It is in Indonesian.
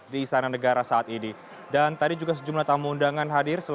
kepada yang terakhir